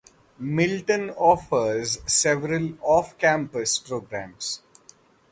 Milton offers several off-campus programs.